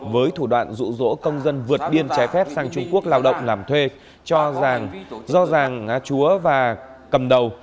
với thủ đoạn rụ rỗ công dân vượt biên trái phép sang trung quốc lao động làm thuê do giang chúa và cầm đầu